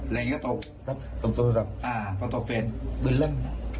เร็งก็ตบการตบเฟลปืนลั่น